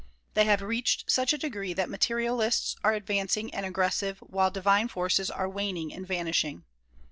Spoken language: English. They have reached such a degree that materialists are advancing and aggressive while divine forces are waning and vanishing.